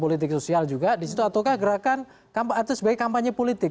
politiik sosial juga disitu ataukah gerakan sebagai kampanye politik